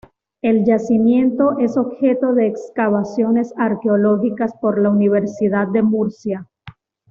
El yacimiento es objeto de excavaciones arqueológicas por la Universidad de Murcia.